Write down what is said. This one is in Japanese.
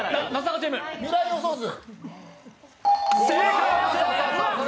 「未来予想図」。